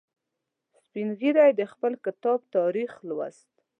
سپین ږیری د خپل کتاب تاریخ لوست.